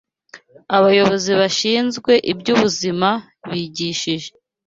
abayobozi bashinzwe iby’ubuzima bigishije